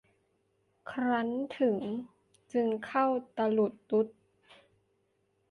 ครั้นถึงจึงเข้าตะหลุดตุด